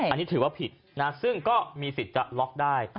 อันนี้ถือว่าผิดนะซึ่งก็มีสิทธิ์จะล็อกได้